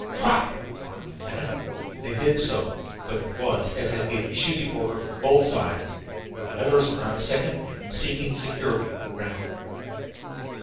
"Drop!" ordered the lieutenant, and they did so, but it was as if he had issued the order for both sides, for the others were not a second later in seeking the security of the ground.